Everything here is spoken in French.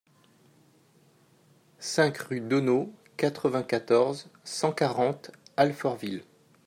cinq rue Daunot, quatre-vingt-quatorze, cent quarante, Alfortville